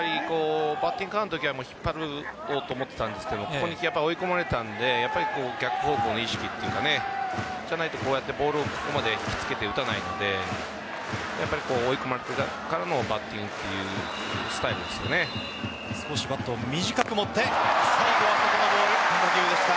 バッティングカウントのときは引っ張ろうと思っていたんですがここにきて追い込まれていたのでやっぱり逆方向の意識というかじゃないと、こうやってボールをここまで引きつけて打たないので追い込まれてからのバッティングという少しバットを短く持って最後は外のボール。